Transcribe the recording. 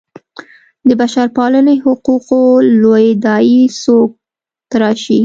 د بشرپالنې حقوقو لویې داعیې څوک تراشي.